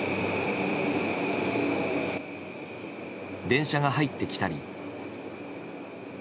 電車が入ってきたり。